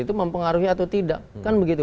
itu mempengaruhi atau tidak kan begitu